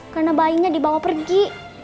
karena bayinya dibawa pergi